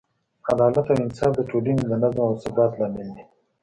عدالت او انصاف د ټولنې د نظم او ثبات لامل دی.